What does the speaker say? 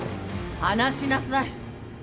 ・離しなさい。